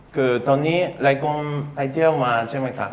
คือตอนนี้หลายคนไปเที่ยวมาใช่ไหมครับ